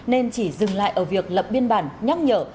nên chỉ dừng lại ở việc lập biên bản nhắc nhở